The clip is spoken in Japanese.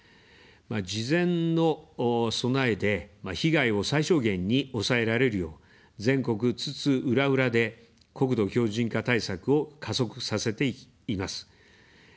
事前の備えで被害を最小限に抑えられるよう、全国津々浦々で国土強じん化対策を加速させています。